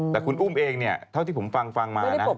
แต่คุณอุ้มเองเนี่ยเท่าที่ผมฟังมานะ